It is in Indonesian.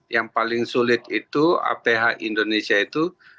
yang paling sulit itu aph indonesia itu